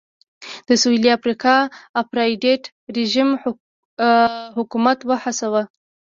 د سوېلي افریقا اپارټایډ رژیم حکومت وهڅاوه.